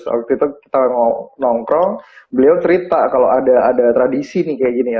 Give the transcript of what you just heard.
waktu itu kita nongkrong beliau cerita kalau ada tradisi nih kayak gini ya